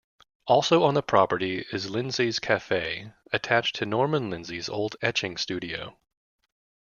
Also on the property is Lindsay's Cafe, attached to Norman Lindsay's old etching studio.